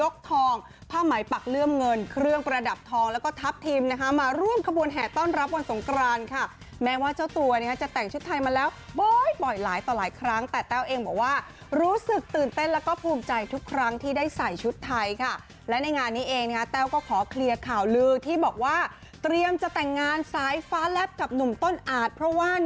เครื่องประดับทองและทัพทีมมาร่วมขบวนแห่ต้อนรับบนสงครานค่ะแม้ว่าเจ้าตัวจะแต่งชุดไทยมาแล้วปล่อยหลายต่อหลายครั้งแต่เต้าเองบอกว่ารู้สึกตื่นเต้นและภูมิใจทุกครั้งที่ได้ใส่ชุดไทยค่ะและในงานนี้เองเต้าก็ขอเคลียร์ข่าวลือที่บอกว่าเตรียมจะแต่งงานสายฟ้าแลปกับหนุ่มต้นอาจเพราะว่าน